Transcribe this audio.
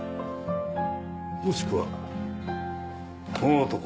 もしくはこの男。